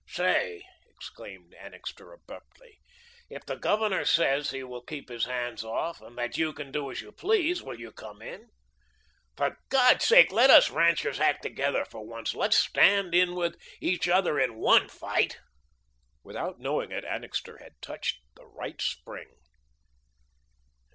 "Say," exclaimed Annixter abruptly, "if the Governor says he will keep his hands off, and that you can do as you please, will you come in? For God's sake, let us ranchers act together for once. Let's stand in with each other in ONE fight." Without knowing it, Annixter had touched the right spring.